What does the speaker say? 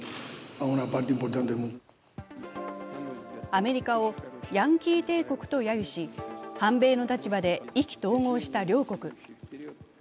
アメリカをヤンキー帝国とやゆし、反米の立場で意気投合した両国。